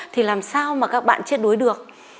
thì làm sao mà các bạn chết đuối được